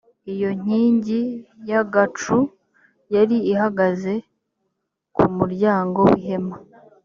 iyo nkingi y’agacu yari ihagaze ku muryango w’ihema.